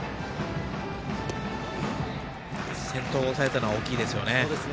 先頭を抑えたのは大きいですね。